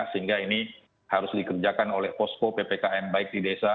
sehingga ini harus dikerjakan oleh posko ppkm baik di desa